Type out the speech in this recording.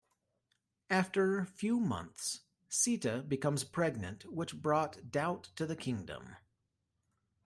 After few months, Sita becomes pregnant which brought doubt to the Kingdom.